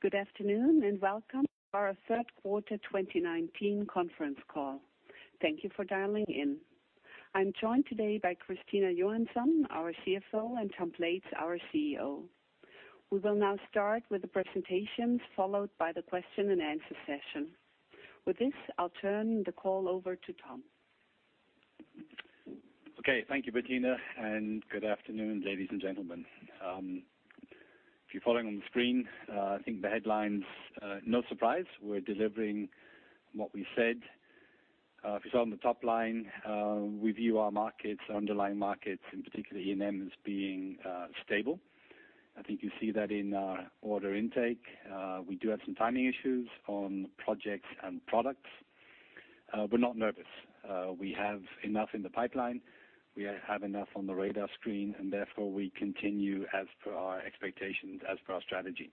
Good afternoon, and welcome to our third quarter 2019 conference call. Thank you for dialing in. I'm joined today by Christina Johansson, our CFO, and Tom Blades, our CEO. We will now start with the presentations, followed by the question and answer session. With this, I'll turn the call over to Tom. Okay. Thank you, Bettina. Good afternoon, ladies and gentlemen. If you're following on the screen, I think the headlines, no surprise, we're delivering what we said. If you saw on the top line, we view our markets, underlying markets, and particularly E&M, as being stable. I think you see that in our order intake. We do have some timing issues on projects and products. We're not nervous. We have enough in the pipeline. We have enough on the radar screen, therefore we continue as per our expectations, as per our strategy.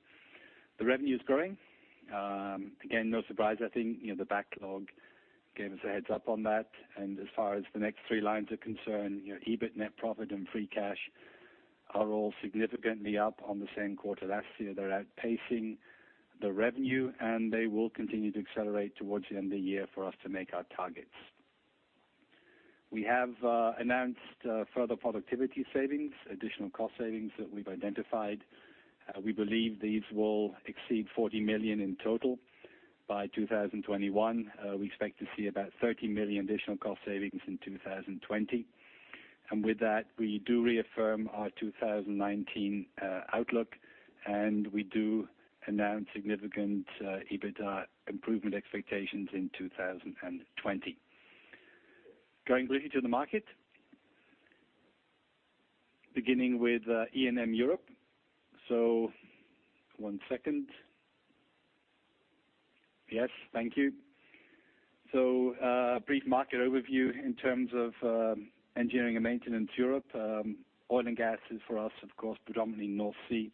The revenue's growing. Again, no surprise. I think the backlog gave us a heads up on that. As far as the next three lines are concerned, EBIT, net profit, and free cash are all significantly up on the same quarter last year. They're outpacing the revenue, they will continue to accelerate towards the end of the year for us to make our targets. We have announced further productivity savings, additional cost savings that we've identified. We believe these will exceed 40 million in total by 2021. We expect to see about 30 million additional cost savings in 2020. With that, we do reaffirm our 2019 outlook, and we do announce significant EBITDA improvement expectations in 2020. Going briefly to the market. Beginning with E&M Europe. One second. Yes, thank you. A brief market overview in terms of Engineering & Maintenance Europe. Oil and gas is for us, of course, predominantly North Sea.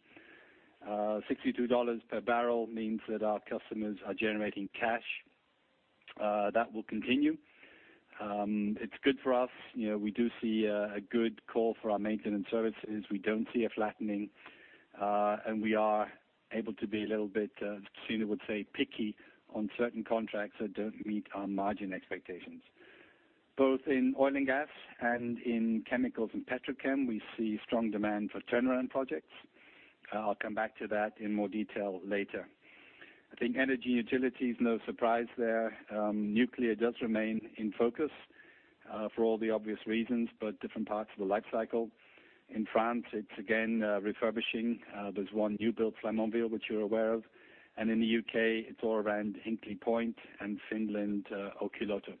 $62 per barrel means that our customers are generating cash. That will continue. It's good for us. We do see a good call for our maintenance services. We don't see a flattening, and we are able to be a little bit, Christina would say, picky on certain contracts that don't meet our margin expectations. Both in oil and gas and in chemicals and petrochem, we see strong demand for turnaround projects. I'll come back to that in more detail later. I think energy and utilities, no surprise there. Nuclear does remain in focus for all the obvious reasons. Different parts of the life cycle. In France, it's again refurbishing. There's one new build, Flamanville, which you're aware of. In the U.K. it's all around Hinkley Point and Finland, Olkiluoto.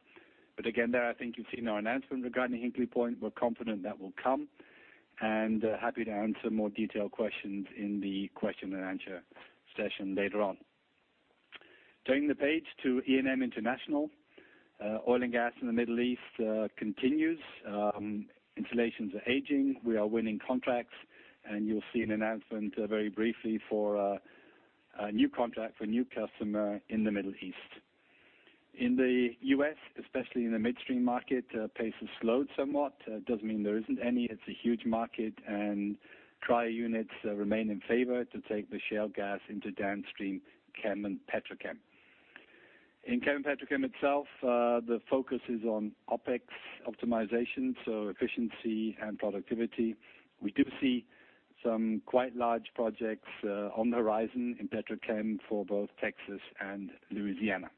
Again, there I think you've seen our announcement regarding Hinkley Point. We're confident that will come. Happy to answer more detailed questions in the question and answer session later on. Turning the page to E&M International. Oil and gas in the Middle East continues. Installations are aging. You'll see an announcement very briefly for a new contract for a new customer in the Middle East. In the U.S., especially in the midstream market, pace has slowed somewhat. Doesn't mean there isn't any. It's a huge market dry units remain in favor to take the shale gas into downstream chem and petrochem. In chem and petrochem itself, the focus is on OpEx optimization, so efficiency and productivity. We do see some quite large projects on the horizon in petrochem for both Texas and Louisiana.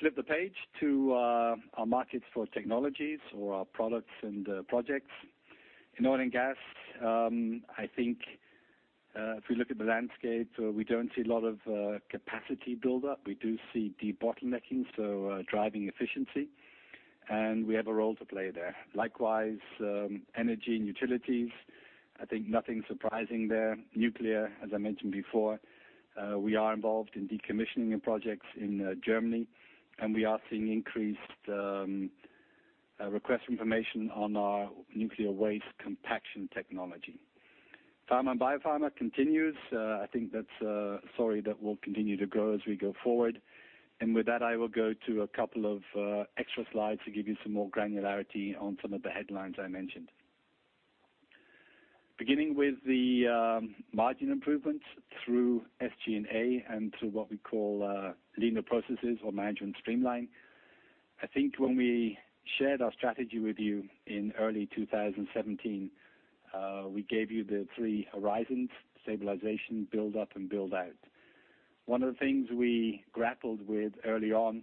Flip the page to our markets for technologies or our products and projects. In oil and gas, I think if we look at the landscape, we don't see a lot of capacity buildup. We do see debottlenecking, so driving efficiency, and we have a role to play there. Likewise, energy and utilities. I think nothing surprising there. Nuclear, as I mentioned before, we are involved in decommissioning projects in Germany, and we are seeing increased request for information on our nuclear waste compaction technology. Pharma and biopharma continues. I think that's a story that will continue to grow as we go forward. With that, I will go to a couple of extra slides to give you some more granularity on some of the headlines I mentioned. Beginning with the margin improvements through SG&A and through what we call leaner processes or management streamline. I think when we shared our strategy with you in early 2017, we gave you the three horizons: stabilization, build up, and build out. One of the things we grappled with early on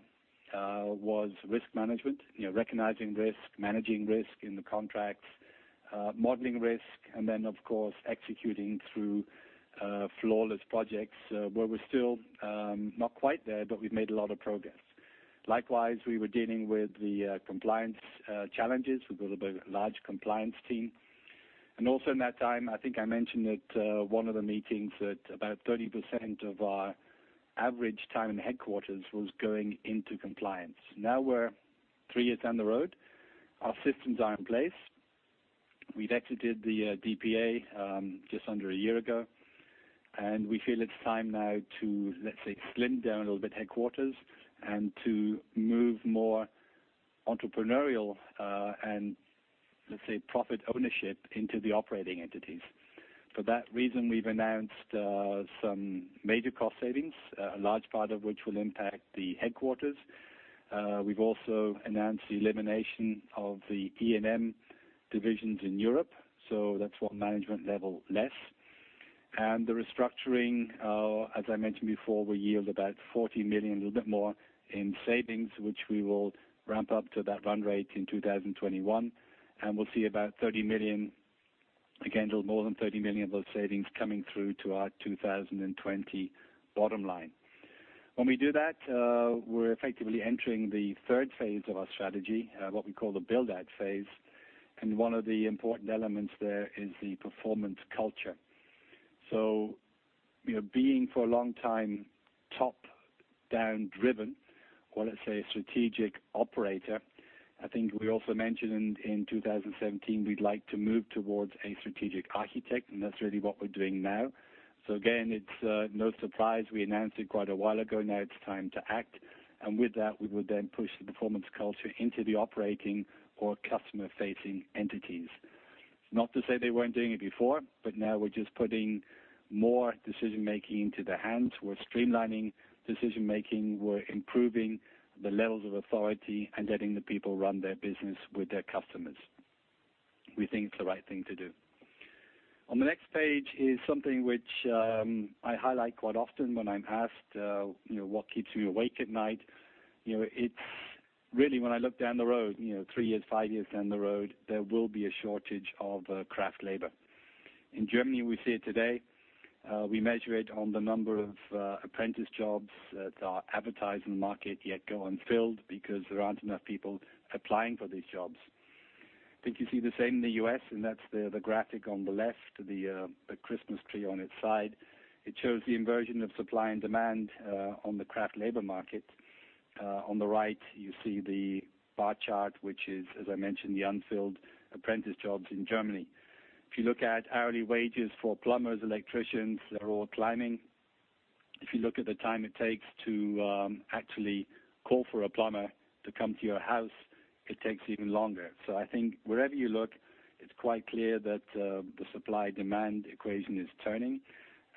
was risk management. Recognizing risk, managing risk in the contracts, modeling risk, and then, of course, executing through flawless projects, where we're still not quite there, but we've made a lot of progress. Likewise, we were dealing with the compliance challenges. We built a large compliance team. Also in that time, I think I mentioned at one of the meetings that about 30% of our average time in headquarters was going into compliance. Now we're three years down the road. Our systems are in place. We've exited the DPA just under a year ago. We feel it's time now to, let's say, slim down a little bit headquarters and to move more entrepreneurial and let's say, profit ownership into the operating entities. For that reason, we've announced some major cost savings, a large part of which will impact the headquarters. We've also announced the elimination of the E&M divisions in Europe. That's one management level less. The restructuring, as I mentioned before, will yield about 40 million, a little bit more, in savings, which we will ramp up to that run rate in 2021. We'll see about 30 million, again, a little more than 30 million of those savings coming through to our 2020 bottom line. When we do that, we're effectively entering the third phase of our strategy, what we call the build-out phase. One of the important elements there is the performance culture. Being for a long time top-down driven or let's say, a strategic operator, I think we also mentioned in 2017, we'd like to move towards a strategic architect, and that's really what we're doing now. Again, it's no surprise. We announced it quite a while ago. Now it's time to act. With that, we will then push the performance culture into the operating or customer-facing entities. Not to say they weren't doing it before, but now we're just putting more decision-making into their hands. We're streamlining decision-making. We're improving the levels of authority and letting the people run their business with their customers. We think it's the right thing to do. On the next page is something which I highlight quite often when I'm asked what keeps me awake at night. It's really when I look down the road, three years, five years down the road, there will be a shortage of craft labor. In Germany, we see it today. We measure it on the number of apprentice jobs that are advertised in the market, yet go unfilled because there aren't enough people applying for these jobs. I think you see the same in the U.S., and that's the graphic on the left, the Christmas tree on its side. It shows the inversion of supply and demand on the craft labor market. On the right, you see the bar chart, which is, as I mentioned, the unfilled apprentice jobs in Germany. If you look at hourly wages for plumbers, electricians, they're all climbing. If you look at the time it takes to actually call for a plumber to come to your house, it takes even longer. I think wherever you look, it's quite clear that the supply-demand equation is turning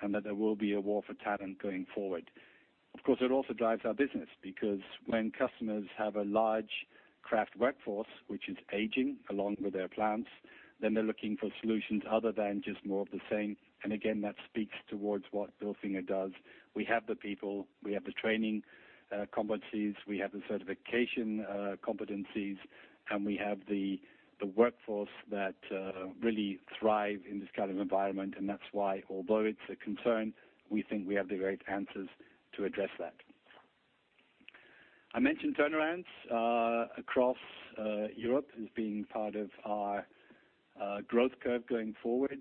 and that there will be a war for talent going forward. Of course, it also drives our business because when customers have a large craft workforce, which is aging along with their plants, then they're looking for solutions other than just more of the same. Again, that speaks towards what Bilfinger does. We have the people, we have the training competencies, we have the certification competencies, and we have the workforce that really thrive in this kind of environment. That's why, although it's a concern, we think we have the right answers to address that. I mentioned turnarounds across Europe as being part of our growth curve going forward.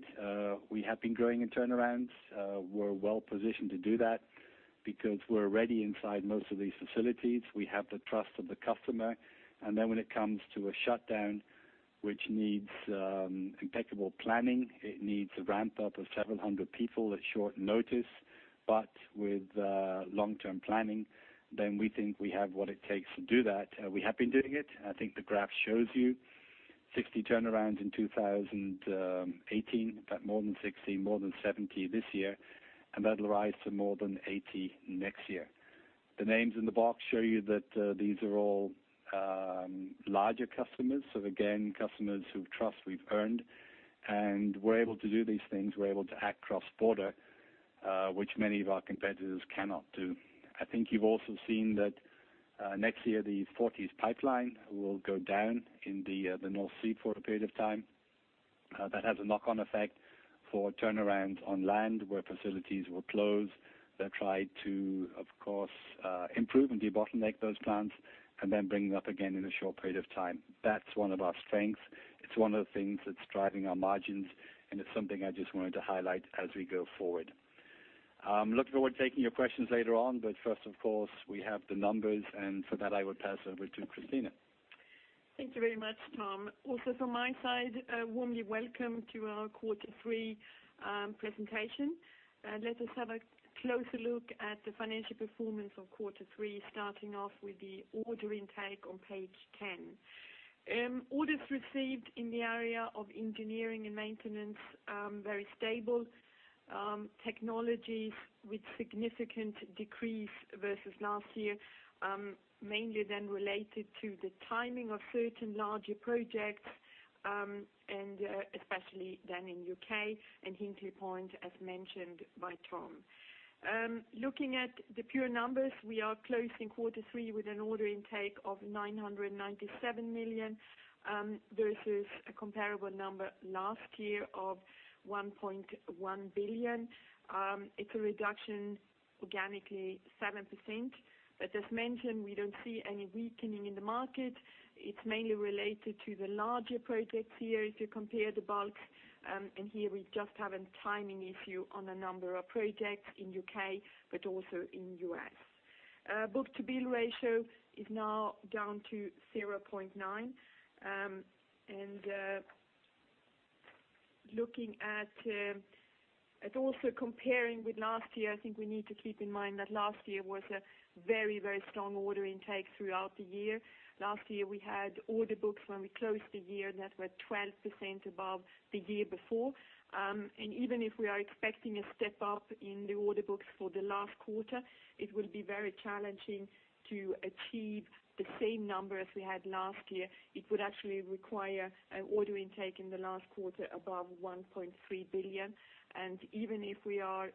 We have been growing in turnarounds. We're well positioned to do that because we're ready inside most of these facilities. We have the trust of the customer. When it comes to a shutdown, which needs impeccable planning, it needs a ramp-up of several hundred people at short notice. With long-term planning, we think we have what it takes to do that. We have been doing it. I think the graph shows you 60 turnarounds in 2018, about more than 60, more than 70 this year, and that'll rise to more than 80 next year. The names in the box show you that these are all larger customers. Again, customers whose trust we've earned, and we're able to do these things. We're able to act cross-border, which many of our competitors cannot do. I think you've also seen that next year, the Forties Pipeline will go down in the North Sea for a period of time. That has a knock-on effect for turnarounds on land where facilities will close. They'll try to, of course, improve and debottleneck those plants then bring it up again in a short period of time. That's one of our strengths. It's one of the things that's driving our margins, and it's something I just wanted to highlight as we go forward. First, of course, we have the numbers, and for that, I will pass over to Christina. Thank you very much, Tom. Also from my side, warmly welcome to our quarter three presentation. Let us have a closer look at the financial performance of quarter three, starting off with the order intake on page 10. Orders received in the area of engineering and maintenance, very stable. Technologies with significant decrease versus last year, mainly then related to the timing of certain larger projects, and especially then in U.K. and Hinkley Point, as mentioned by Tom. Looking at the pure numbers, we are closing quarter three with an order intake of 997 million versus a comparable number last year of 1.1 billion. It's a reduction organically 7%, but as mentioned, we don't see any weakening in the market. It's mainly related to the larger projects here if you compare the bulk. Here we just have a timing issue on a number of projects in U.K. but also in U.S. book-to-bill ratio is now down to 0.9. Looking at also comparing with last year, I think we need to keep in mind that last year was a very strong order intake throughout the year. Last year, we had order books when we closed the year that were 12% above the year before. Even if we are expecting a step up in the order books for the last quarter, it will be very challenging to achieve the same number as we had last year. It would actually require an order intake in the last quarter above 1.3 billion. Even if we are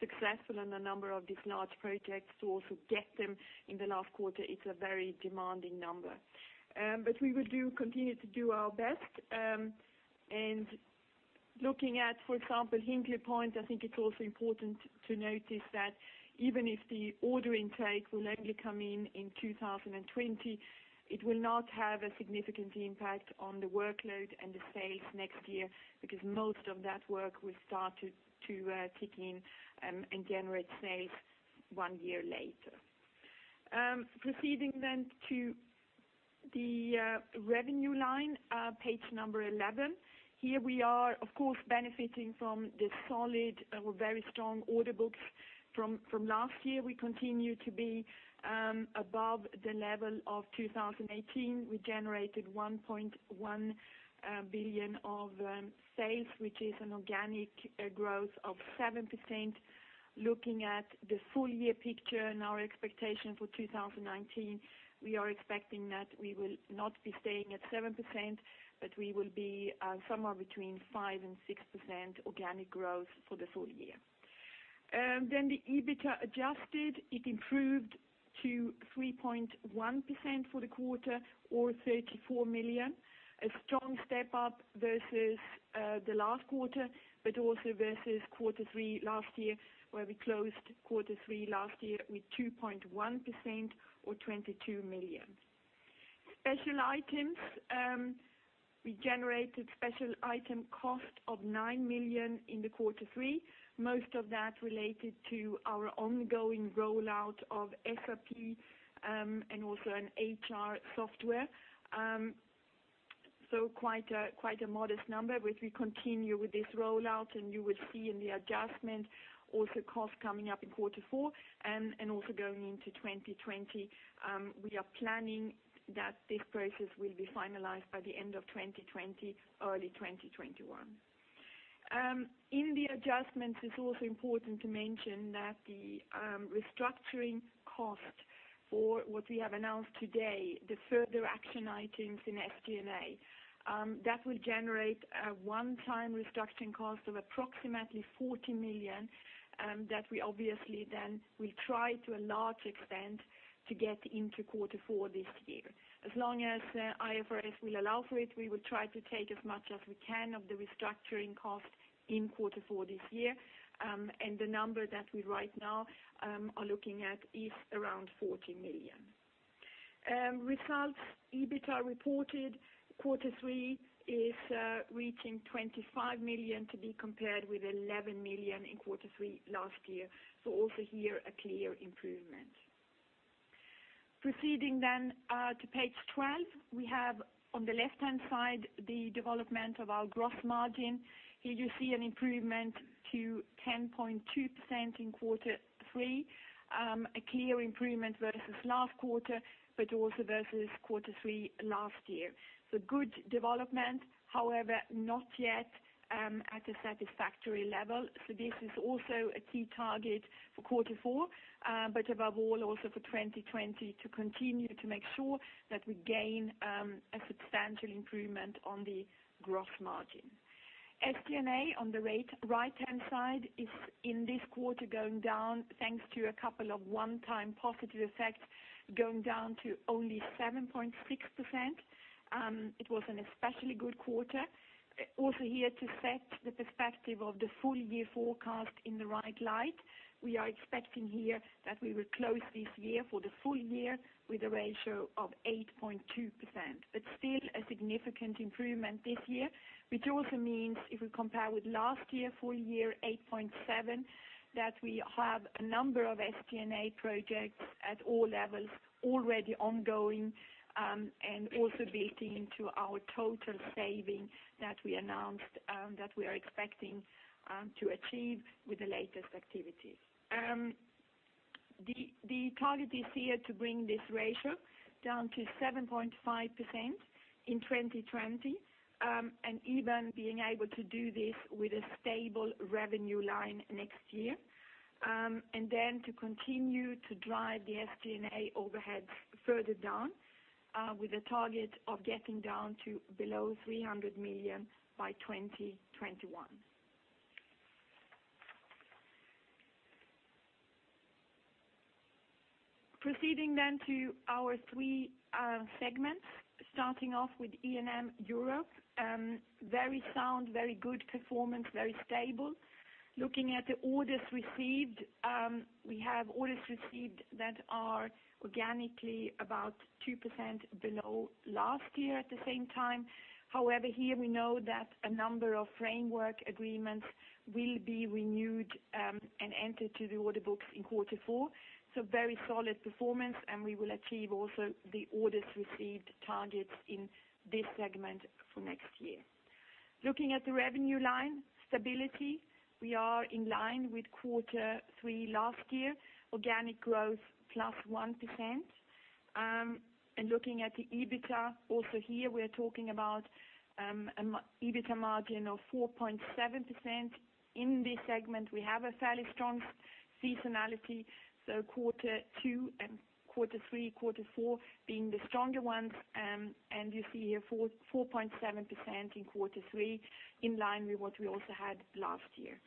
successful in a number of these large projects to also get them in the last quarter, it's a very demanding number. We will continue to do our best. Looking at, for example, Hinkley Point, I think it's also important to notice that even if the order intake will only come in in 2020, it will not have a significant impact on the workload and the sales next year, because most of that work will start to kick in and generate sales one year later. Proceeding to the revenue line, page number 11. Here we are, of course, benefiting from the solid, very strong order books from last year. We continue to be above the level of 2018. We generated 1.1 billion of sales, which is an organic growth of 7%. Looking at the full-year picture and our expectation for 2019, we are expecting that we will not be staying at 7%, but we will be somewhere between 5%-6% organic growth for the full year. The EBITDA adjusted. It improved to 3.1% for the quarter or 34 million, a strong step up versus the last quarter, but also versus quarter 3 last year, where we closed quarter 3 last year with 2.1% or 22 million. Special items. We generated special item cost of 9 million in the quarter 3, most of that related to our ongoing rollout of SAP and also an HR software. Quite a modest number. We continue with this rollout, and you will see in the adjustment also cost coming up in quarter 4 and also going into 2020. We are planning that this process will be finalized by the end of 2020, early 2021. The adjustments, it's also important to mention that the restructuring cost for what we have announced today, the further action items in SG&A. Will generate a one-time restructuring cost of approximately 40 million, that we obviously will try to a large extent to get into quarter four this year. As long as IFRS will allow for it, we will try to take as much as we can of the restructuring cost in quarter four this year. The number that we right now are looking at is around 40 million. Results. EBITDA reported quarter three is reaching 25 million to be compared with 11 million in quarter three last year. Also here, a clear improvement. Proceeding to page 12. We have on the left-hand side, the development of our gross margin. Here you see an improvement to 10.2% in quarter 3, a clear improvement versus last quarter, but also versus quarter 3 last year. Good development, however, not yet at a satisfactory level. This is also a key target for quarter 4, but above all, also for 2020 to continue to make sure that we gain a substantial improvement on the gross margin. SG&A on the right-hand side is in this quarter going down, thanks to a couple of one-time positive effects, going down to only 7.6%. It was an especially good quarter. Here to set the perspective of the full year forecast in the right light. We are expecting here that we will close this year for the full year with a ratio of 8.2%, but still a significant improvement this year, which also means if we compare with last year full year 8.7%, that we have a number of SG&A projects at all levels already ongoing, and also building into our total saving that we announced that we are expecting to achieve with the latest activities. The target this year to bring this ratio down to 7.5% in 2020, and even being able to do this with a stable revenue line next year. To continue to drive the SG&A overheads further down with a target of getting down to below 300 million by 2021. Proceeding to our three segments. Starting off with E&M Europe. Very sound, very good performance, very stable. Looking at the orders received, we have orders received that are organically about 2% below last year at the same time. Here we know that a number of framework agreements will be renewed and enter to the order books in quarter four. Very solid performance, and we will achieve also the orders received targets in this segment for next year. Looking at the revenue line, stability, we are in line with quarter three last year, organic growth plus 1%. Looking at the EBITDA, also here, we are talking about an EBITDA margin of 4.7%. In this segment, we have a fairly strong seasonality, so quarter two and quarter three, quarter four being the stronger ones. You see here 4.7% in quarter three, in line with what we also had last year.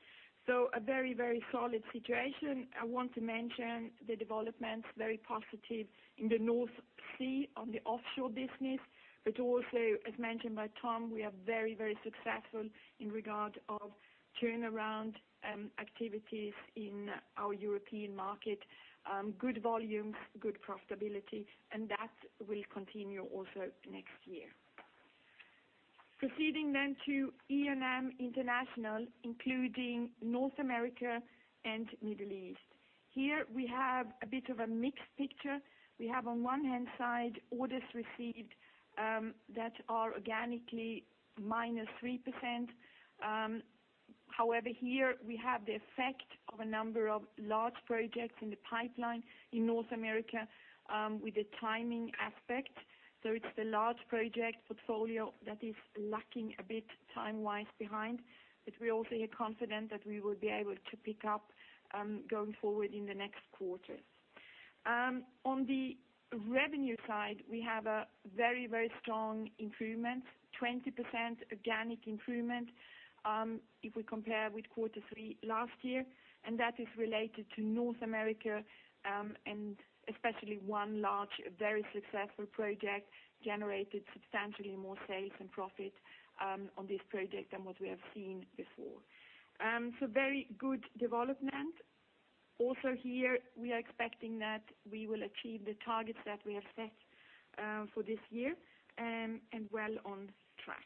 A very solid situation. I want to mention the developments, very positive in the North Sea on the offshore business, but also, as mentioned by Tom, we are very, very successful in regard of turnaround activities in our European market. That will continue also next year. Proceeding to E&M International, including North America and Middle East. Here, we have a bit of a mixed picture. We have on one hand side, orders received that are organically minus 3%. However, here we have the effect of a number of large projects in the pipeline in North America with a timing aspect. It's the large project portfolio that is lacking a bit time-wise behind. We're also confident that we will be able to pick up going forward in the next quarters. On the revenue side, we have a very, very strong improvement, 20% organic improvement, if we compare with quarter three last year. That is related to North America. Especially one large, very successful project generated substantially more sales and profit on this project than what we have seen before. Very good development. Also here, we are expecting that we will achieve the targets that we have set for this year, and well on track.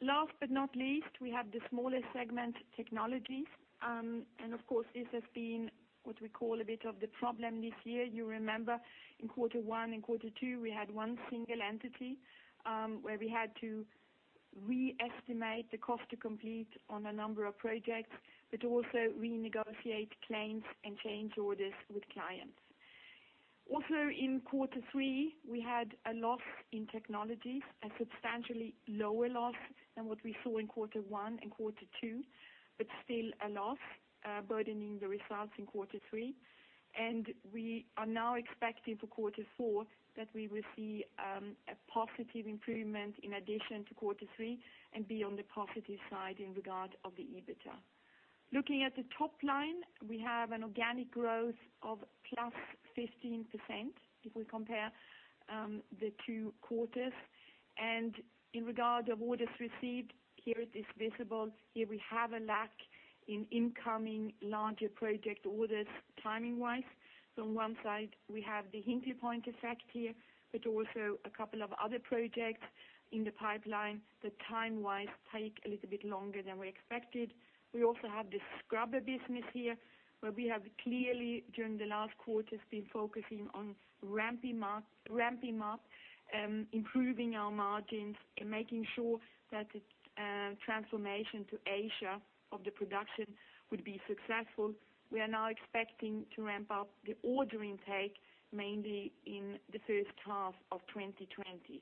Last but not least, we have the smallest segment, Technologies. Of course, this has been what we call a bit of the problem this year. You remember in quarter one and quarter two, we had one single entity, where we had to re-estimate the cost to complete on a number of projects, but also renegotiate claims and change orders with clients. In quarter three, we had a loss in technologies, a substantially lower loss than what we saw in quarter one and quarter two, but still a loss burdening the results in quarter three. We are now expecting for quarter four that we will see a positive improvement in addition to quarter three and be on the positive side in regard of the EBITDA. Looking at the top line, we have an organic growth of +15%, if we compare the two quarters. In regard of orders received, here it is visible. Here we have a lack in incoming larger project orders timing-wise. On one side, we have the Hinkley Point effect here, but also a couple of other projects in the pipeline that time-wise take a little bit longer than we expected. We also have the scrubber business here, where we have clearly, during the last quarters, been focusing on ramping up, improving our margins, and making sure that its transformation to Asia of the production would be successful. We are now expecting to ramp up the order intake mainly in the first half of 2020.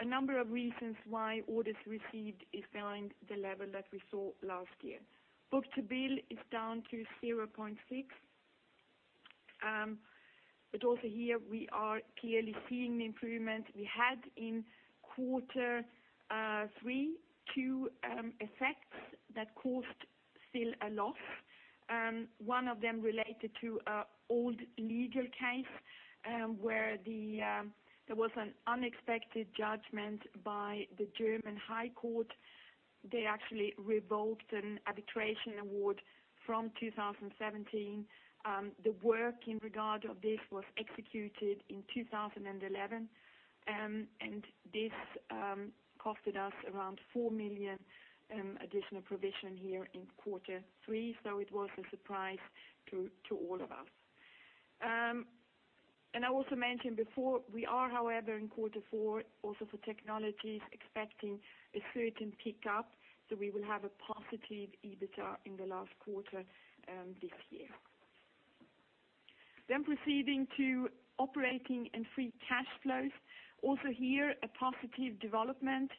A number of reasons why orders received is behind the level that we saw last year. Book-to-bill is down to 0.6. Also here, we are clearly seeing the improvement we had in quarter three, two effects that caused still a loss. One of them related to an old legal case, where there was an unexpected judgment by the German Federal Court of Justice. They actually revoked an arbitration award from 2017. The work in regard of this was executed in 2011. This cost us around 4 million additional provision here in quarter three, so it was a surprise to all of us. I also mentioned before, we are, however, in quarter four, also for technologies, expecting a certain pickup, so we will have a positive EBITDA in the last quarter this year. Proceeding to operating and free cash flows. Also here, a positive development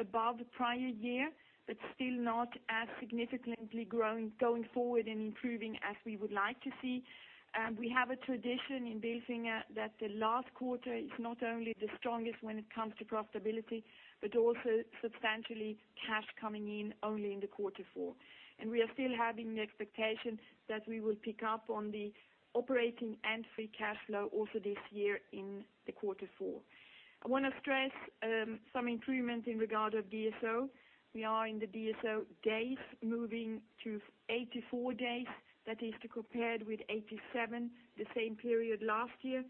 above the prior year, but still not as significantly growing going forward and improving as we would like to see. We have a tradition in Bilfinger that the last quarter is not only the strongest when it comes to profitability, but also substantially cash coming in only in the quarter four. We are still having the expectation that we will pick up on the operating and free cash flow also this year in the quarter four. I want to stress some improvement in regard of DSO. We are in the DSO days, moving to 84 days. That is compared with 87 the same period last year.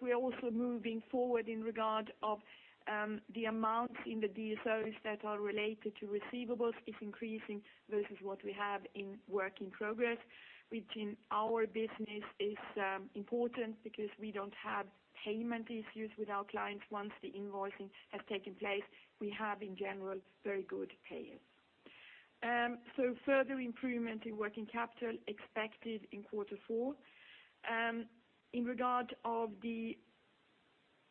We are also moving forward in regard of the amounts in the DSOs that are related to receivables is increasing versus what we have in work in progress. Which in our business is important because we don't have payment issues with our clients once the invoicing has taken place. We have, in general, very good payers. Further improvement in working capital expected in quarter four. In regard of the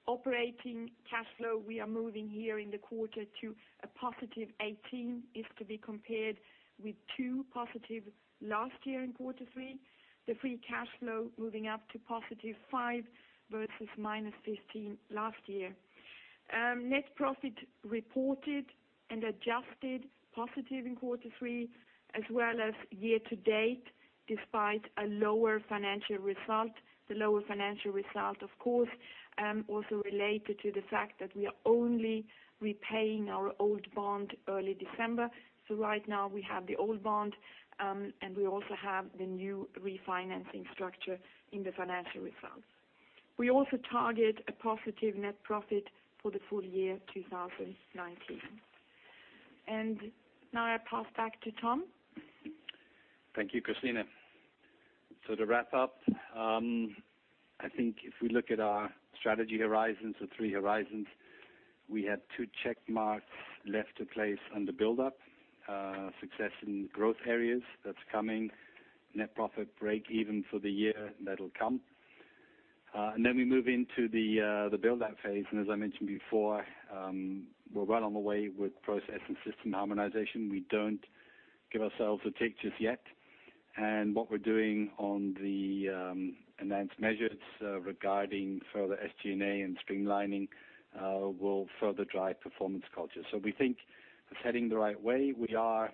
Operating cash flow, we are moving here in the quarter to a positive 18, is to be compared with 2 positive last year in quarter three. The free cash flow moving up to positive 5 versus minus 15 last year. Net profit reported and adjusted positive in quarter 3 as well as year-to-date, despite a lower financial result. The lower financial result, of course, also related to the fact that we are only repaying our old bond early December. Right now we have the old bond, and we also have the new refinancing structure in the financial results. We also target a positive net profit for the full year 2019. Now I pass back to Tom. Thank you, Christina. To wrap up, I think if we look at our strategy horizons or three horizons, we had two check marks left to place under build-up. Success in growth areas, that's coming. Net profit breakeven for the year, that'll come. Then we move into the build-out phase. As I mentioned before, we're well on the way with process and system harmonization. We don't give ourselves a tick just yet. What we're doing on the enhanced measures regarding further SG&A and streamlining will further drive performance culture. We think it's heading the right way. We are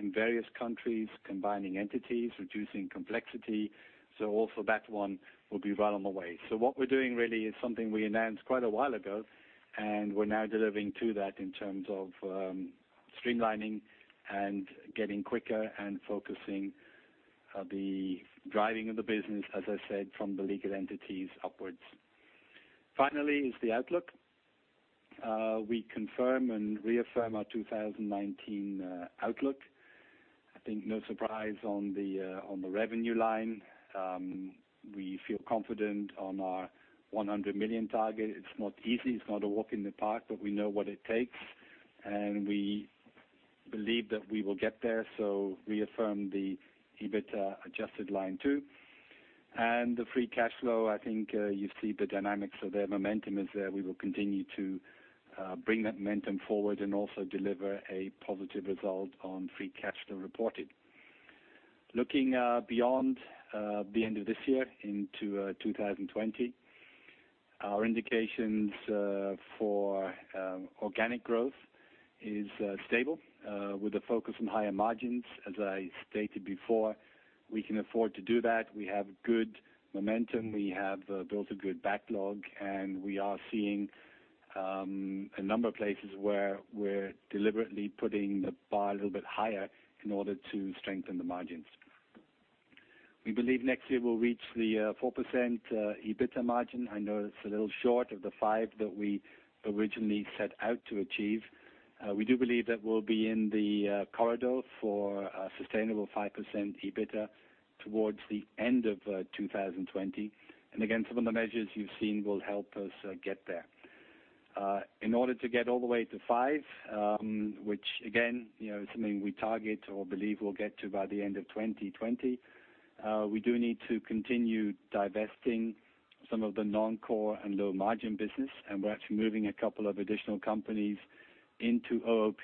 in various countries combining entities, reducing complexity. Also that one will be well on the way. What we're doing really is something we announced quite a while ago, and we're now delivering to that in terms of streamlining and getting quicker and focusing the driving of the business, as I said, from the legal entities upwards. Finally is the outlook. We confirm and reaffirm our 2019 outlook. I think no surprise on the revenue line. We feel confident on our 100 million target. It's not easy. It's not a walk in the park, but we know what it takes, and we believe that we will get there, so reaffirm the EBITDA adjusted line too. The free cash flow, I think you see the dynamics of their momentum is there. We will continue to bring that momentum forward and also deliver a positive result on free cash flow reported. Looking beyond the end of this year into 2020, our indications for organic growth is stable with a focus on higher margins. As I stated before, we can afford to do that. We have good momentum. We have built a good backlog, and we are seeing a number of places where we're deliberately putting the bar a little bit higher in order to strengthen the margins. We believe next year we'll reach the 4% EBITDA margin. I know that's a little short of the 5% that we originally set out to achieve. We do believe that we'll be in the corridor for a sustainable 5% EBITDA towards the end of 2020. Again, some of the measures you've seen will help us get there. In order to get all the way to 5%, which again, is something we target or believe we'll get to by the end of 2020, we do need to continue divesting some of the non-core and low-margin business, and we're actually moving a couple of additional companies into OOP.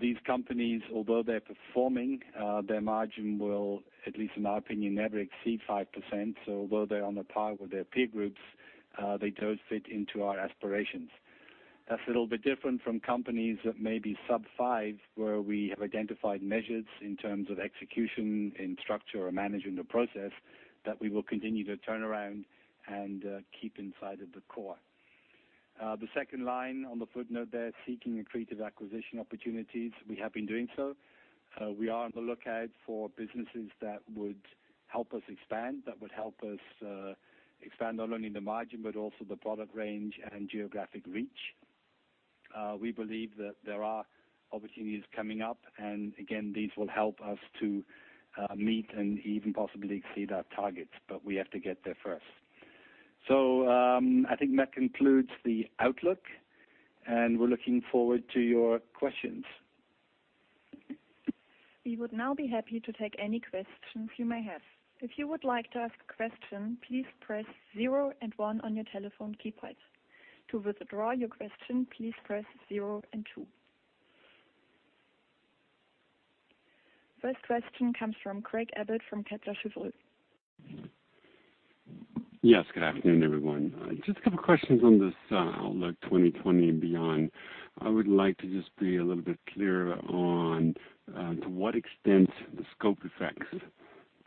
These companies, although they're performing, their margin will, at least in my opinion, never exceed 5%. Although they're on par with their peer groups, they don't fit into our aspirations. That's a little bit different from companies that may be sub 5%, where we have identified measures in terms of execution in structure or management or process that we will continue to turn around and keep inside of the core. The second line on the footnote there, seeking accretive acquisition opportunities, we have been doing so. We are on the lookout for businesses that would help us expand, that would help us expand not only the margin, but also the product range and geographic reach. We believe that there are opportunities coming up, and again, these will help us to meet and even possibly exceed our targets, but we have to get there first. I think that concludes the outlook, and we're looking forward to your questions. We would now be happy to take any questions you may have. If you would like to ask a question, please press zero and one on your telephone keypad. To withdraw your question, please press zero and two. First question comes from Craig Abbott from Kepler Cheuvreux. Yes, good afternoon, everyone. Just a couple of questions on this outlook 2020 and beyond. I would like to just be a little bit clearer on to what extent the scope affects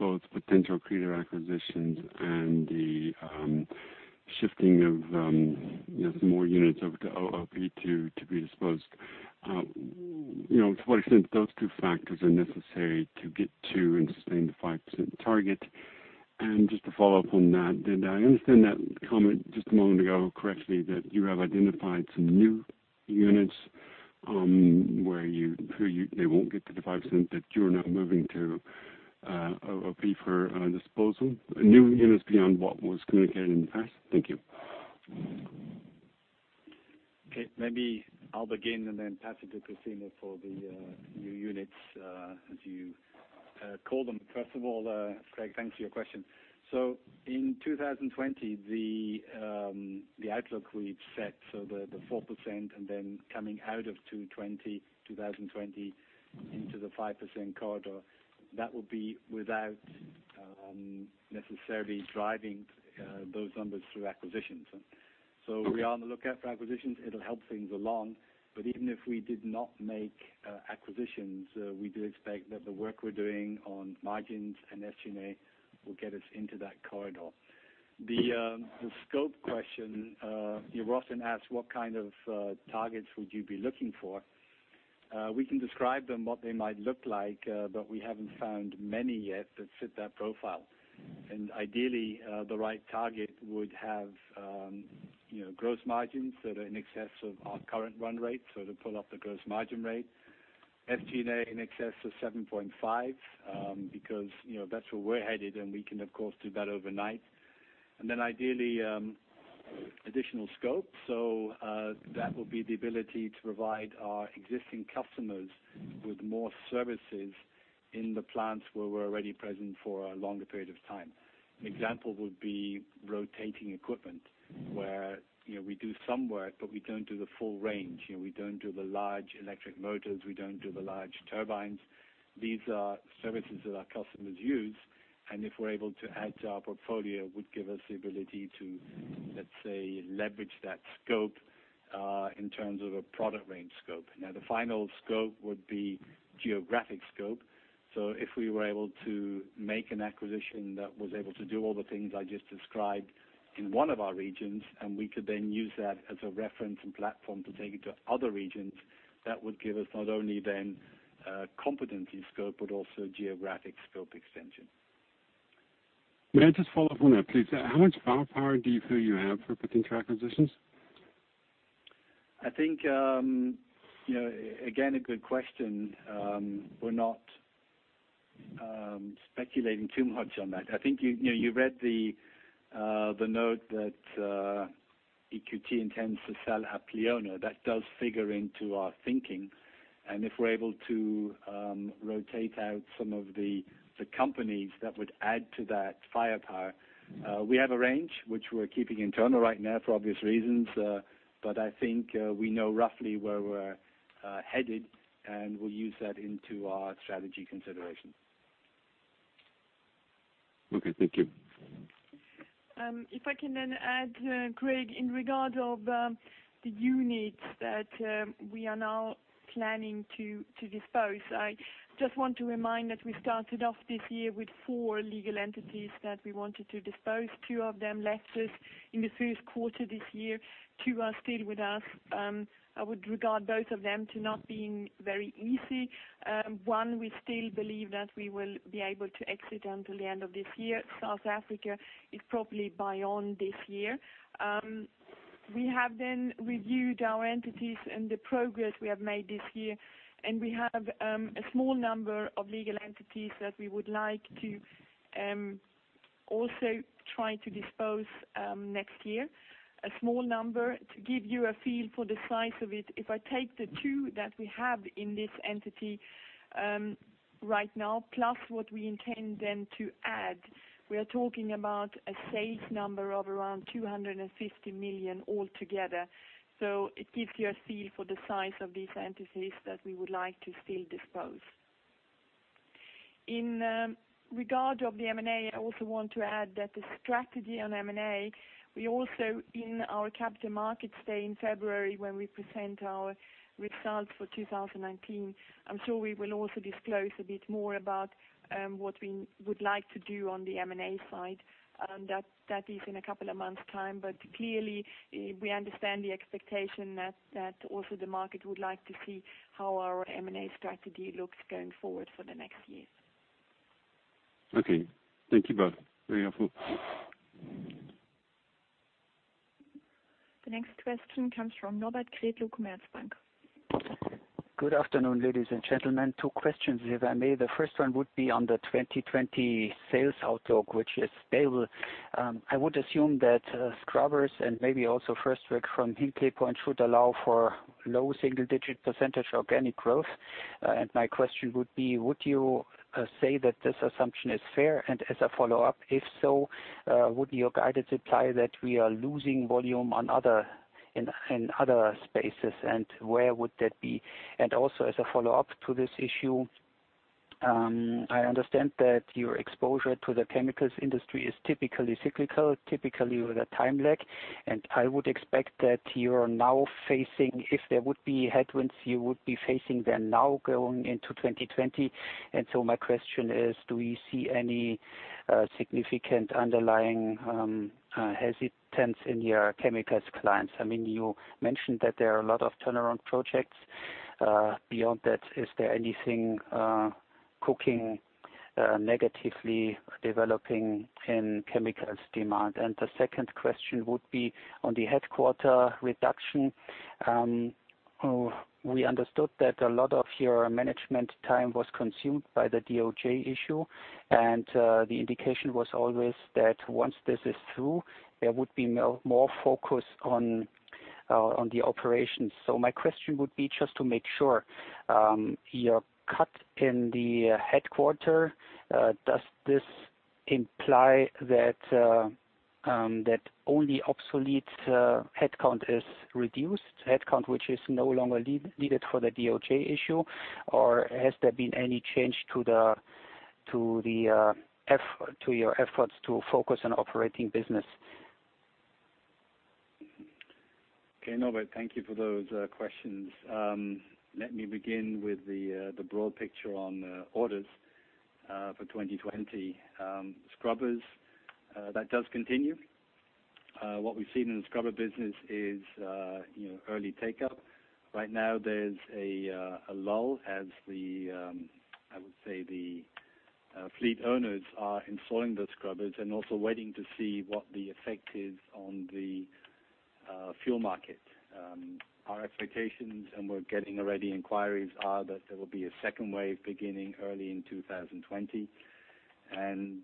both potential creative acquisitions and the shifting of some more units over to OOP to be disposed. To what extent those two factors are necessary to get to and sustain the 5% target. Just to follow up on that, did I understand that comment just a moment ago correctly, that you have identified some new units, where they won't get to the 5%, that you are now moving to OOP for disposal? New units beyond what was communicated in the past? Thank you. Maybe I'll begin and then pass it to Christina for the new units, as you call them. First of all, Craig, thanks for your question. In 2020, the outlook we've set, the 4% and then coming out of 2020 into the 5% corridor. That will be without necessarily driving those numbers through acquisitions. We are on the lookout for acquisitions. It'll help things along. Even if we did not make acquisitions, we do expect that the work we're doing on margins and SG&A will get us into that corridor. The scope question, you also asked what kind of targets would you be looking for? We can describe them, what they might look like, but we haven't found many yet that fit that profile. Ideally, the right target would have gross margins that are in excess of our current run rate. To pull up the gross margin rate. SG&A in excess of 7.5, because that's where we're headed, and we can, of course, do that overnight. Ideally, additional scope. That will be the ability to provide our existing customers with more services in the plants where we're already present for a longer period of time. An example would be rotating equipment, where we do some work, but we don't do the full range. We don't do the large electric motors. We don't do the large turbines. These are services that our customers use, and if we're able to add to our portfolio, would give us the ability to, let's say, leverage that scope, in terms of a product range scope. The final scope would be geographic scope. If we were able to make an acquisition that was able to do all the things I just described in one of our regions, and we could then use that as a reference and platform to take it to other regions, that would give us not only then a competency scope, but also geographic scope extension. May I just follow up on that, please? How much firepower do you feel you have for putting through acquisitions? I think, again, a good question. We're not speculating too much on that. I think you read the note that EQT intends to sell Apleona. That does figure into our thinking. If we're able to rotate out some of the companies that would add to that firepower. We have a range, which we're keeping internal right now for obvious reasons. I think we know roughly where we're headed, and we'll use that into our strategy consideration. Okay, thank you. If I can add, Craig, in regard of the units that we are now planning to dispose. I just want to remind that we started off this year with four legal entities that we wanted to dispose. Two of them left us in the first quarter this year. Two are still with us. I would regard both of them to not being very easy. One, we still believe that we will be able to exit until the end of this year. South Africa is probably by on this year. We have reviewed our entities and the progress we have made this year, and we have a small number of legal entities that we would like to also try to dispose next year. A small number. To give you a feel for the size of it, if I take the two that we have in this entity right now, plus what we intend then to add, we are talking about a sales number of around 250 million altogether. It gives you a feel for the size of these entities that we would like to still dispose. In regard of the M&A, I also want to add that the strategy on M&A, we also in our Capital Markets Day in February, when we present our results for 2019, I'm sure we will also disclose a bit more about what we would like to do on the M&A side. That is in a couple of months time, clearly, we understand the expectation that also the market would like to see how our M&A strategy looks going forward for the next years. Okay. Thank you both. Very helpful. The next question comes from Norbert Kretlow, Commerzbank. Good afternoon, ladies and gentlemen. Two questions, if I may. The first one would be on the 2020 sales outlook, which is stable. I would assume that scrubbers and maybe also first rec from Hinkley Point should allow for low single-digit % organic growth. My question would be: Would you say that this assumption is fair? As a follow-up, if so, would your guidance imply that we are losing volume in other spaces, and where would that be? Also, as a follow-up to this issue, I understand that your exposure to the chemicals industry is typically cyclical, typically with a time lag, and I would expect that you're now facing, if there would be headwinds, you would be facing them now going into 2020. My question is: Do you see any significant underlying hesitance in your chemicals clients? You mentioned that there are a lot of turnaround projects. Is there anything cooking negatively developing in chemicals demand? The second question would be on the headquarter reduction. We understood that a lot of your management time was consumed by the DOJ issue, the indication was always that once this is through, there would be more focus on the operations. My question would be just to make sure. Your cut in the headquarter, does this imply that only obsolete headcount is reduced, headcount which is no longer needed for the DOJ issue? Has there been any change to your efforts to focus on operating business? Okay, Norbert, thank you for those questions. Let me begin with the broad picture on orders for 2020. Scrubbers, that does continue. What we've seen in the scrubber business is early take-up. Right now there's a lull as the, I would say, the fleet owners are installing the scrubbers and also waiting to see what the effect is on the fuel market. Our expectations, and we're getting already inquiries, are that there will be a second wave beginning early in 2020, and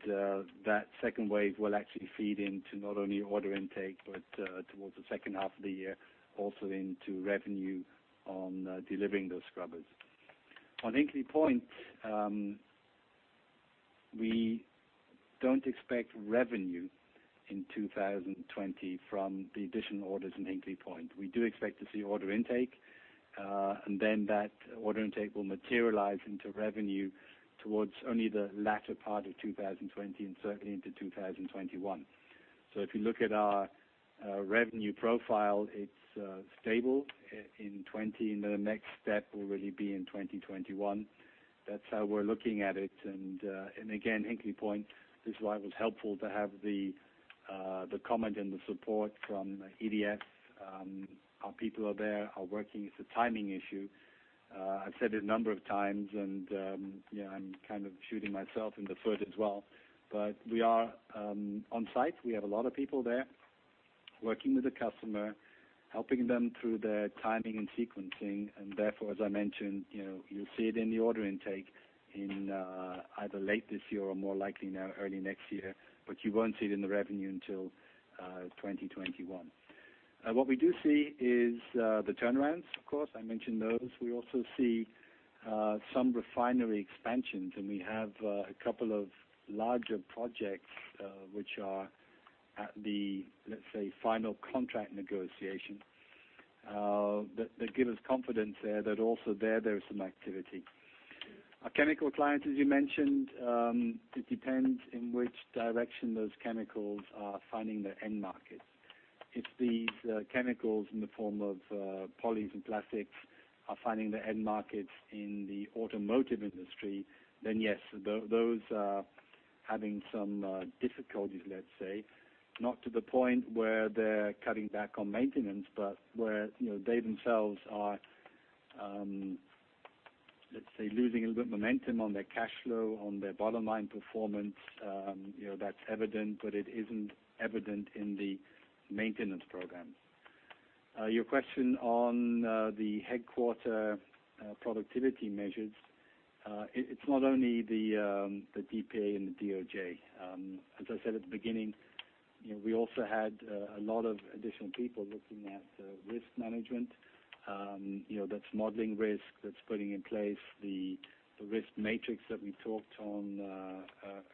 that second wave will actually feed into not only order intake, but towards the second half of the year, also into revenue on delivering those scrubbers. On Hinkley Point, we don't expect revenue in 2020 from the additional orders in Hinkley Point. We do expect to see order intake, and then that order intake will materialize into revenue towards only the latter part of 2020 and certainly into 2021. If you look at our revenue profile, it's stable in 2020, and then the next step will really be in 2021. That's how we're looking at it. Again, Hinkley Point, this is why it was helpful to have the comment and the support from EDF. Our people are there, are working. It's a timing issue. I've said it a number of times, and I'm kind of shooting myself in the foot as well, but we are on-site. We have a lot of people there working with the customer, helping them through their timing and sequencing, and therefore, as I mentioned, you'll see it in the order intake in either late this year or more likely now early next year, but you won't see it in the revenue until 2021. What we do see is the turnarounds, of course. I mentioned those. We also see some refinery expansions, and we have a couple of larger projects, which are at the, let's say, final contract negotiation, that give us confidence there that also there there is some activity. Our chemical clients, as you mentioned, it depends in which direction those chemicals are finding their end markets. If these chemicals in the form of polys and plastics are finding their end markets in the automotive industry, then yes, those are having some difficulties, let's say. Not to the point where they're cutting back on maintenance, but where they themselves are, let's say, losing a little bit of momentum on their cash flow, on their bottom line performance. That's evident, but it isn't evident in the maintenance program. Your question on the headquarter productivity measures. It's not only the DPA and the DOJ. As I said at the beginning, we also had a lot of additional people looking at risk management. That's modeling risk. That's putting in place the risk matrix that we talked on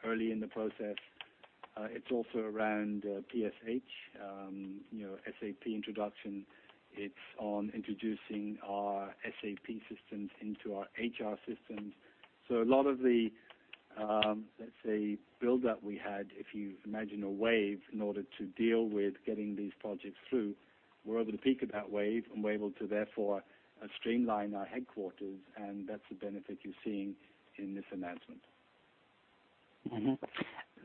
early in the process. It's also around PSH, SAP introduction. It's on introducing our SAP systems into our HR systems. A lot of the, let's say, build-up we had, if you imagine a wave, in order to deal with getting these projects through, we're over the peak of that wave, and we're able to therefore streamline our headquarters, and that's the benefit you're seeing in this announcement.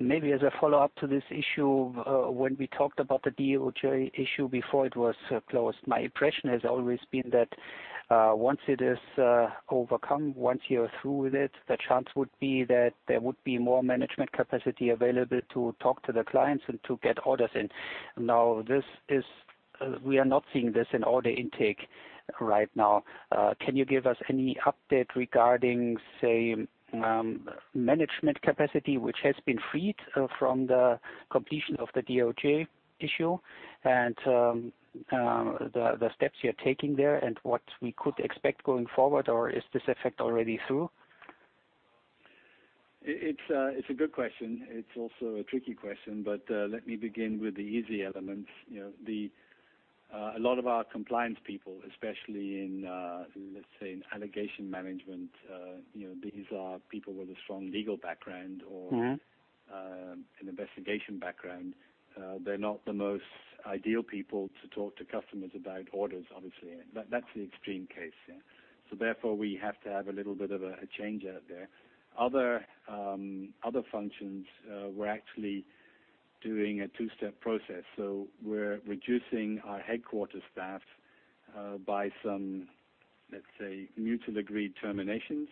Maybe as a follow-up to this issue, when we talked about the DOJ issue before it was closed, my impression has always been that once it is overcome, once you're through with it, the chance would be that there would be more management capacity available to talk to the clients and to get orders in. We are not seeing this in order intake right now. Can you give us any update regarding, say, management capacity, which has been freed from the completion of the DOJ issue and the steps you're taking there and what we could expect going forward, or is this effect already through? It's a good question. It's also a tricky question. Let me begin with the easy elements. A lot of our compliance people, especially in, let's say, in allegation management, these are people with a strong legal background. an investigation background. They're not the most ideal people to talk to customers about orders, obviously. That's the extreme case. Therefore, we have to have a little bit of a change out there. Other functions, we're actually doing a 2-step process. We're reducing our headquarter staff by some, let's say, mutually agreed terminations,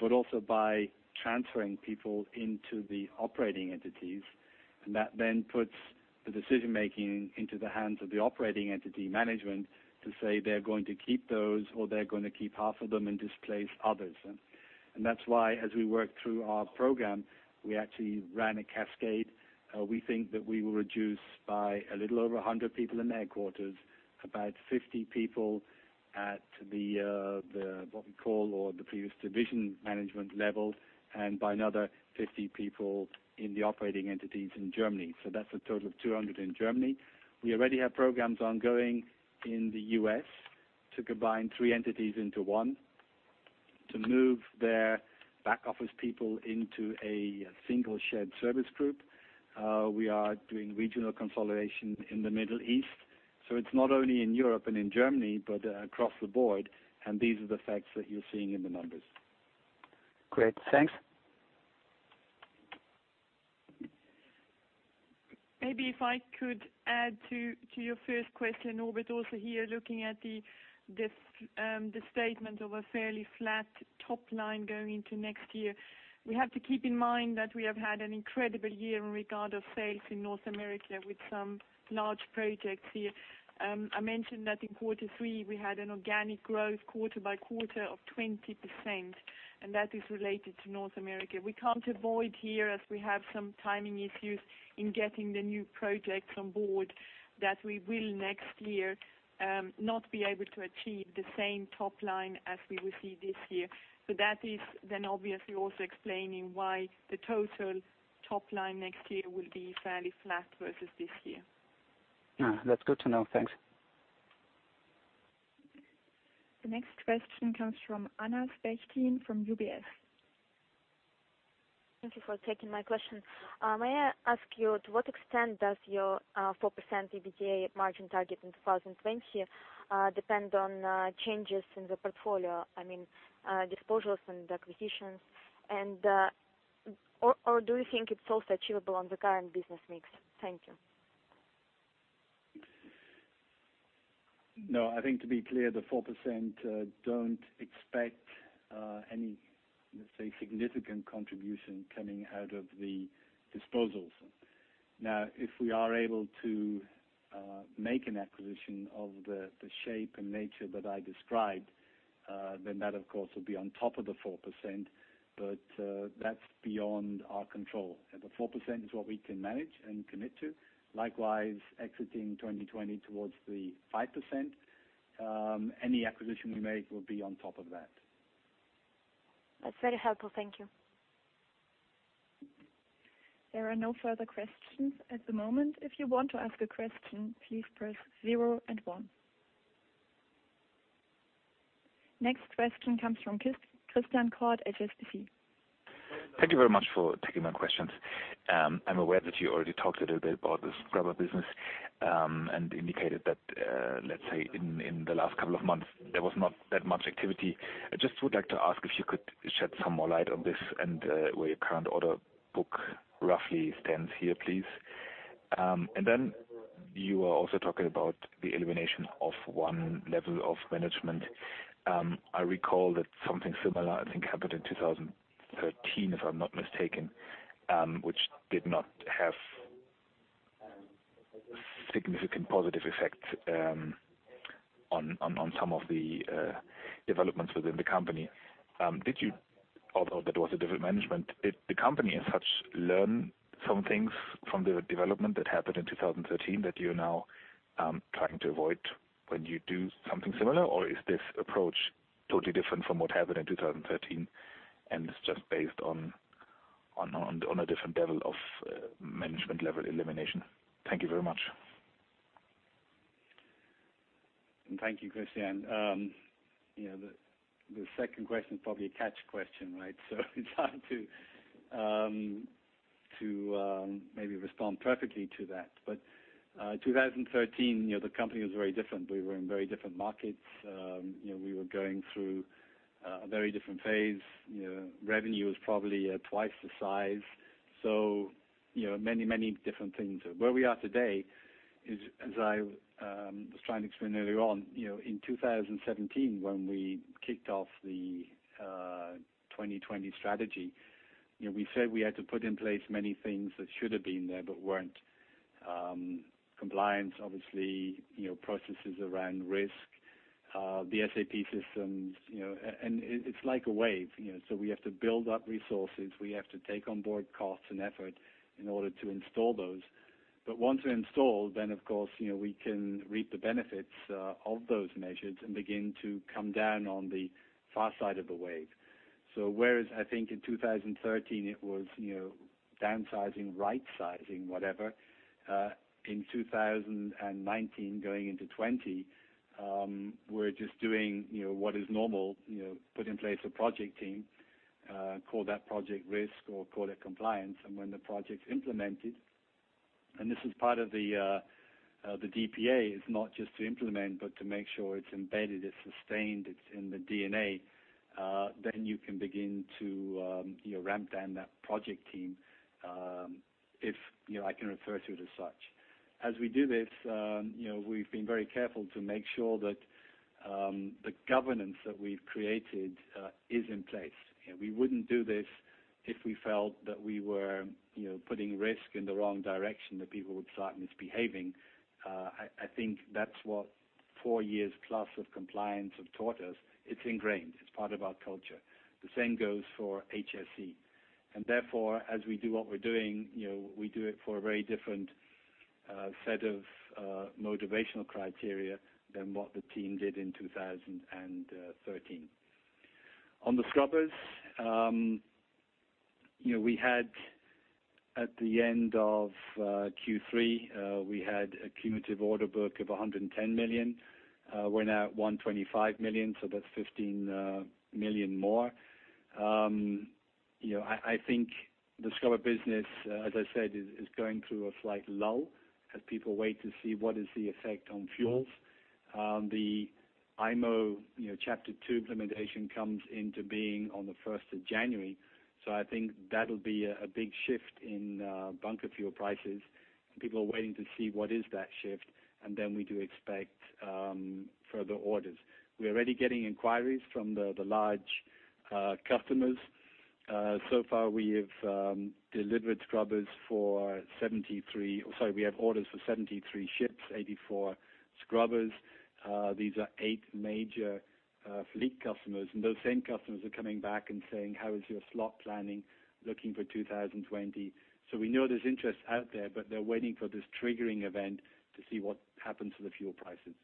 but also by transferring people into the operating entities. That then puts the decision-making into the hands of the operating entity management to say they're going to keep those, or they're going to keep half of them and displace others. That's why, as we work through our program, we actually ran a cascade. We think that we will reduce by a little over 100 people in the headquarters, about 50 people at what we call or the previous division management level, and by another 50 people in the operating entities in Germany. That's a total of 200 in Germany. We already have programs ongoing in the U.S. to combine three entities into one. To move their back-office people into a single shared service group. We are doing regional consolidation in the Middle East, it's not only in Europe and in Germany, but across the board. These are the facts that you're seeing in the numbers. Great, thanks. Maybe if I could add to your first question, Norbert. Here, looking at the statement of a fairly flat top line going into next year. We have to keep in mind that we have had an incredible year in regard of sales in North America with some large projects here. I mentioned that in quarter three, we had an organic growth quarter-by-quarter of 20%, that is related to North America. We can't avoid here, as we have some timing issues in getting the new projects on board, that we will next year not be able to achieve the same top line as we will see this year. That is then obviously also explaining why the total top line next year will be fairly flat versus this year. That's good to know. Thanks. The next question comes from [Anna Spezkin] from UBS. Thank you for taking my question. May I ask you, to what extent does your 4% EBITA margin target in 2020 depend on changes in the portfolio? I mean, disposals and acquisitions. Do you think it's also achievable on the current business mix? Thank you. No, I think to be clear, the 4% don't expect any, let's say, significant contribution coming out of the disposals. If we are able to make an acquisition of the shape and nature that I described, then that, of course, would be on top of the 4%, but that's beyond our control. The 4% is what we can manage and commit to. Likewise, exiting 2020 towards the 5%, any acquisition we make will be on top of that. That's very helpful. Thank you. There are no further questions at the moment. If you want to ask a question, please press zero and one. Next question comes from [Christian Kord], HSBC. Thank you very much for taking my questions. I'm aware that you already talked a little bit about the scrubber business, indicated that, let's say, in the last couple of months, there was not that much activity. I just would like to ask if you could shed some more light on this and where your current order book roughly stands here, please. You were also talking about the elimination of one level of management. I recall that something similar, I think, happened in 2013, if I'm not mistaken, which did not have significant positive effects on some of the developments within the company. Although that was a different management, did the company as such learn some things from the development that happened in 2013 that you're now trying to avoid when you do something similar? Is this approach totally different from what happened in 2013 and is just based on a different level of management level elimination? Thank you very much. Thank you, Christian. The second question is probably a catch question, right? It's hard to maybe respond perfectly to that. 2013, the company was very different. We were in very different markets. We were going through a very different phase. Revenue was probably twice the size. Many different things. Where we are today is, as I was trying to explain earlier on, in 2017 when we kicked off the 2020 strategy, we said we had to put in place many things that should have been there but weren't. Compliance, obviously, processes around risk, the SAP systems. It's like a wave. We have to build up resources. We have to take on board costs and effort in order to install those. Once they're installed, then of course, we can reap the benefits of those measures and begin to come down on the far side of the wave. Whereas I think in 2013 it was downsizing, right-sizing, whatever. In 2019, going into 2020, we're just doing what is normal. Put in place a project team. Call that project risk or call it compliance. When the project's implemented, and this is part of the DPA, is not just to implement but to make sure it's embedded, it's sustained, it's in the DNA, then you can begin to ramp down that project team, if I can refer to it as such. As we do this, we've been very careful to make sure that the governance that we've created is in place. We wouldn't do this if we felt that we were putting risk in the wrong direction, that people would start misbehaving. I think that's what four years plus of compliance have taught us. It's ingrained. It's part of our culture. The same goes for HSE. Therefore, as we do what we're doing, we do it for a very different set of motivational criteria than what the team did in 2013. On the scrubbers, at the end of Q3, we had a cumulative order book of 110 million. We're now at 125 million, so that's 15 million more. I think the scrubber business, as I said, is going through a slight lull as people wait to see what is the effect on fuels. The IMO Chapter two implementation comes into being on the 1st of January. I think that'll be a big shift in bunker fuel prices, and people are waiting to see what is that shift, and then we do expect further orders. We're already getting inquiries from the large customers. So far, we have orders for 73 ships, 84 scrubbers. These are eight major fleet customers, and those same customers are coming back and saying, "How is your slot planning looking for 2020." We know there's interest out there, but they're waiting for this triggering event to see what happens to the fuel prices.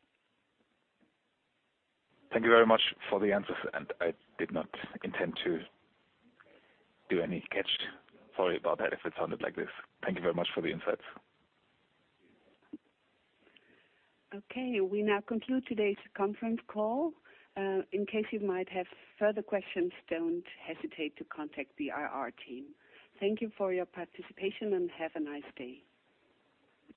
Thank you very much for the answers. I did not intend to do any catch. Sorry about that if it sounded like this. Thank you very much for the insights. Okay. We now conclude today's conference call. In case you might have further questions, don't hesitate to contact the IR team. Thank you for your participation, and have a nice day.